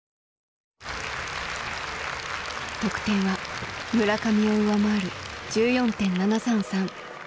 得点は村上を上回る１４．７３３。